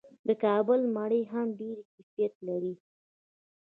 د کابل مڼې هم ډیر کیفیت لري.